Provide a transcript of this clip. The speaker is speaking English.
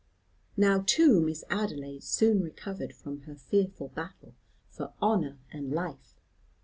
Now too Miss Adelaide soon recovered from her fearful battle for honour and life.